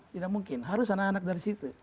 tidak mungkin harus anak anak dari situ